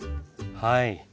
はい。